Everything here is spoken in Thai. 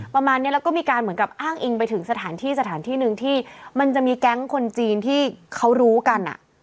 พฤติการเหมือนกับอ้างอิงไปถึงสถานที่สถานที่หนึ่งที่มันจะมีแก๊งคนจีนที่เขารู้กันอ่ะ